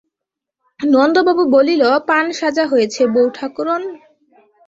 নন্দবাবু বলিল, পান সাজা হয়েছে বৌঠাকরুন?